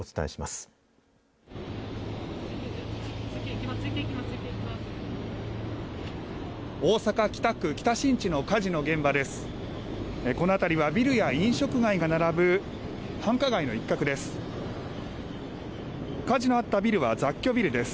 この辺りはビルや飲食街が並ぶ繁華街の一角です。